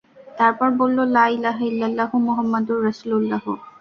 তারপর বলল, লা ইলাহা ইল্লাল্লাহু মুহাম্মাদুর রাসূলুল্লাহ।